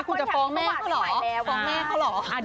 คุณจะฟ้องแม่เขาเหรอฟ้องแม่เขาเหรอฟ้องแม่เขาเหรอ